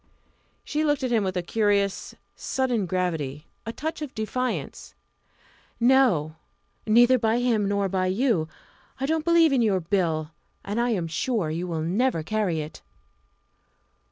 She looked at him with a curious, sudden gravity a touch of defiance. "No! neither by him, nor by you. I don't believe in your Bill and I am sure you will never carry it!"